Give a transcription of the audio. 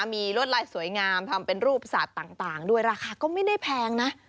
มีลวดลายสวยงามทำเป็นรูปสัตว์ต่างด้วยราคาก็ไม่ได้แพงนะ